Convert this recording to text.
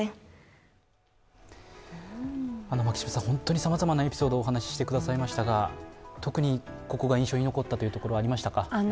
本当にさまざまなエピソードをお話ししてくださいましたが、特にここが印象に残ったというところはありましたか？